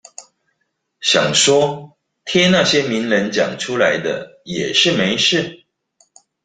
想說貼那些名人講出來的也是沒事